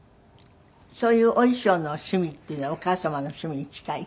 そういうお衣装の趣味っていうのはお母様の趣味に近い？